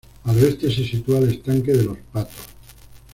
Al oeste se sitúa el estanque de los patos.